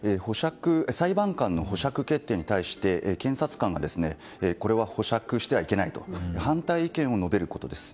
裁判官の保釈決定に対して検察官がこれは保釈してはいけないと反対意見を述べることです。